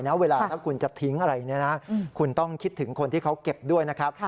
เวลาถ้าคุณจะทิ้งอะไรเนี่ยนะคุณต้องคิดถึงคนที่เขาเก็บด้วยนะครับ